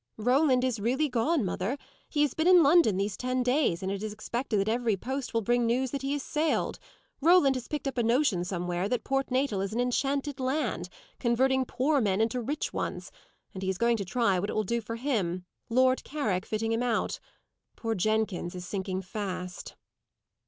"Roland is really gone, mother. He has been in London these ten days, and it is expected that every post will bring news that he has sailed. Roland has picked up a notion somewhere that Port Natal is an enchanted land, converting poor men into rich ones; and he is going to try what it will do for him, Lord Carrick fitting him out. Poor Jenkins is sinking fast."